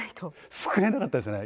すくえなかったですね。